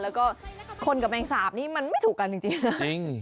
แล้วก็คนกับแมงสาบนี่มันไม่ถูกกันจริงนะ